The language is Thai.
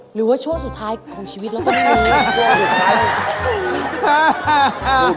หรือชั่วสุดท้ายของชีวิตเราต้องกลัว